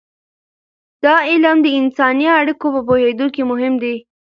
دا علم د انساني اړیکو په پوهیدو کې مهم دی.